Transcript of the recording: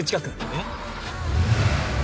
えっ？